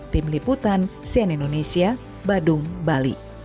tim liputan cn indonesia badung bali